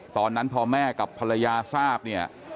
ตอนนั้นพอแม่กับภรรยาทราบเนี่ย